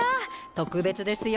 特別ですよ！